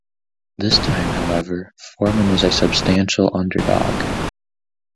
This time, however, Foreman was a substantial underdog.